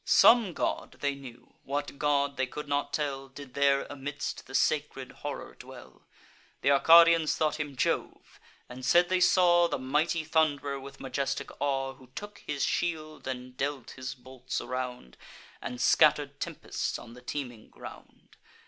Some god, they knew—what god, they could not tell— Did there amidst the sacred horror dwell. Th' Arcadians thought him Jove; and said they saw The mighty Thund'rer with majestic awe, Who took his shield, and dealt his bolts around, And scatter'd tempests on the teeming ground.